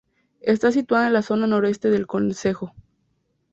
Está situada en la zona noreste del concejo.